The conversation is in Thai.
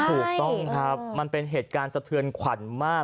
ถูกต้องครับมันเป็นเหตุการณ์สะเทือนขวัญมาก